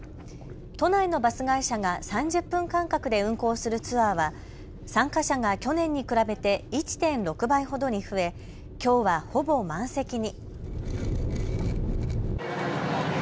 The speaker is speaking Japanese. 都内のバス会社が３０分間隔で運行するツアーは参加者が去年に比べて１．６倍ほどに増えきょうはほぼ満席に。